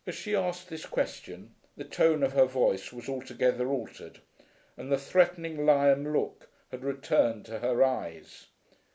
As she asked this question the tone of her voice was altogether altered, and the threatening lion look had returned to her eyes.